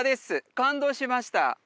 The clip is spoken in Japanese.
感動しました